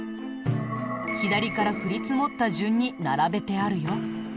左から降り積もった順に並べてあるよ。